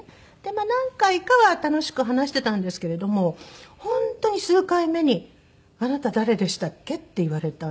まあ何回かは楽しく話してたんですけれども本当に数回目に「あなた誰でしたっけ？」って言われたんです。